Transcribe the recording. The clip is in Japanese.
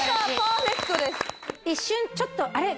一瞬ちょっとあれ？